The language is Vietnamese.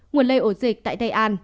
nguồn lây ổ dịch tại tây an